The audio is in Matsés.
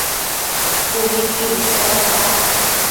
ubi chuibëdtsenta